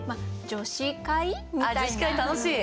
女子会楽しい。